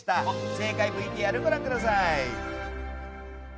正解ＶＴＲ、ご覧ください。